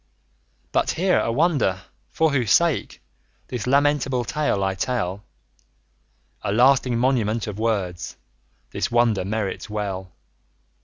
But hear a wonder, for whose sake 50 This lamentable tale I tell! A lasting monument of words This wonder merits well.